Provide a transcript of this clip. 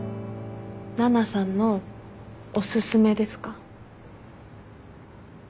奈々さんのおすすめですか？